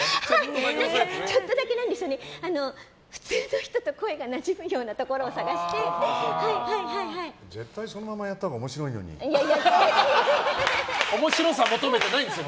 ちょっとだけ普通の人と声を間違うところを絶対、そのままやったほうが面白さ求めてないんですよ